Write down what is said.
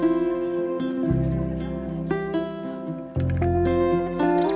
semua keamanan yang akan berlaku dalam jalan